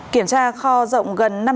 kiểm tra kho rộng gần năm trăm linh m hai